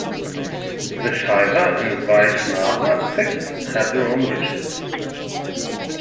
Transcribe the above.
The Shaiva and Vaishnava sects have their own rituals.